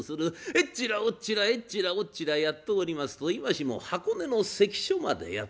えっちらおっちらえっちらおっちらやっておりますと今しも箱根の関所までやって来た。